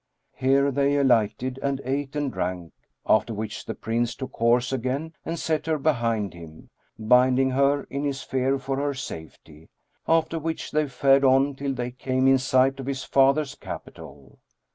Here they alighted and ate and drank; after which the Prince took horse again and set her behind him, binding her in his fear for her safety; after which they fared on till they came in sight of his father's capital.